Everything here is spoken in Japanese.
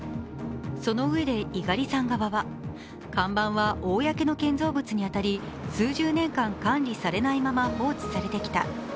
そのうえで猪狩さん側は看板は公の建造物に当たり数十年間管理されないまま、放置されてきた。